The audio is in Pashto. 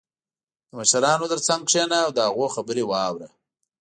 • د مشرانو تر څنګ کښېنه او د هغوی خبرې واوره.